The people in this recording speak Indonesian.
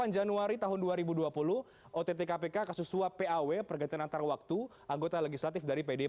delapan januari dua ribu dua puluh ott kpk kasus navigasi pow pergantian antar waktu anggota legislatif dari pdi perjuangan